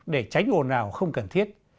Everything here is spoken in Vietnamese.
để tránh ồn ào không cần thiết